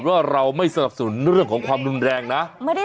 ว่าเราไม่สนับสนุนเรื่องของความรุนแรงนะ